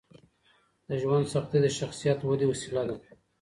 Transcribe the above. د ژوند سختۍ د شخصیت ودې وسیله ده.